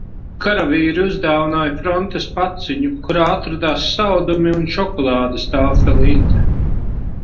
Karavīri uzdāvināja frontes paciņu, kurā atradās saldumi un šokolādes tāfelīte.